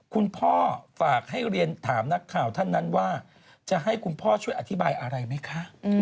คุณพ่อฝากให้เรียนถามนักข่าวท่านนั้นว่าจะให้คุณพ่อช่วยอธิบายอะไรไหมคะ